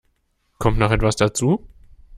Kommt noch etwas dazu?